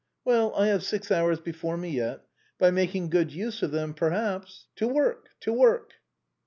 Well, I have six hours before me yet. By making good use of them, perhaps — to work ! to work